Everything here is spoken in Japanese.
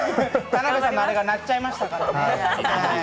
田辺さんのあれが鳴っちゃいましたからね。